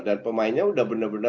dan pemainnya sudah benar benar bagus